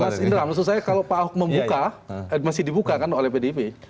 mas indra maksud saya kalau pak ahok membuka masih dibuka kan oleh pdip